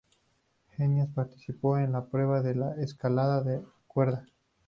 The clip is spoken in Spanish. Xenakis participó en la prueba de escalada de cuerda.